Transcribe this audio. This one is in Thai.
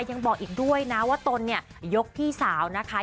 ยังบอกอีกด้วยนะว่าตนเนี่ยยกพี่สาวนะคะ